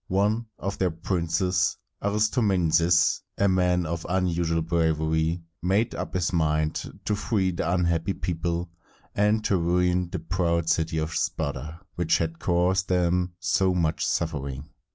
One of their princes, Ar is tom´e nes, a man of unusual bravery, made up his mind to free the unhappy people, and to ruin the proud city of Sparta, which had caused them so much suffering.